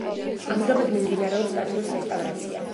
ამჟამად მიმდინარეობს ტაძრის რესტავრაცია.